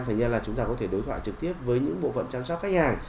thành ra là chúng ta có thể đối thoại trực tiếp với những bộ phận chăm sóc khách hàng